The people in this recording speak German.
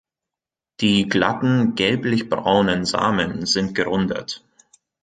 Die glatten gelblich-braunen Samen sind gerundet.